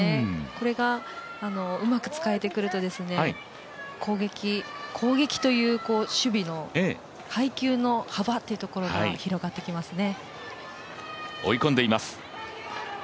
これが、うまく使えてくると攻撃という守備の配球の幅というところが広がってきますね。